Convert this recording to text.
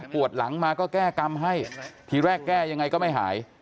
ปวดหลังมาก็แก้กรรมให้ทีแรกแก้ยังไงก็ไม่หาย